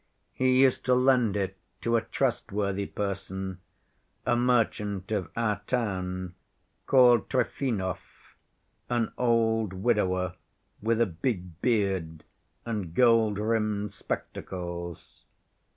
He used to lend it to a trustworthy person, a merchant of our town called Trifonov, an old widower, with a big beard and gold‐rimmed spectacles.